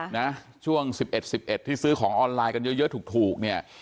นะช่วงสิบเอ็ดสิบเอ็ดที่ซื้อของออนไลน์กันเยอะถูกเนี่ย